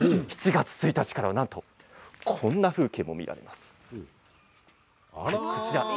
７月１日からはなんとこんな風景も見られます。